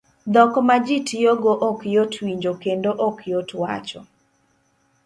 Dhok ma ji tiyo go ok yot winjo kendo ok yot wacho